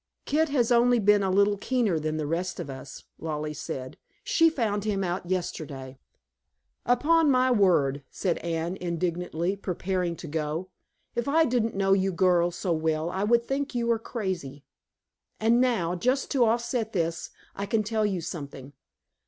"Kit has only been a little keener than the rest of us," Lollie said. "She found him out yesterday." "Upon my word," said Anne indignantly, preparing to go, "if I didn't know you girls so well, I would think you were crazy. And now, just to offset this, I can tell you something.